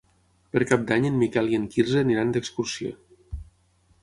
Per Cap d'Any en Miquel i en Quirze aniran d'excursió.